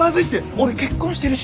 俺結婚してるし！